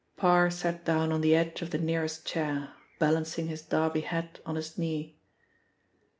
Parr sat down on the edge of the nearest chair, balancing his Derby hat on his knee.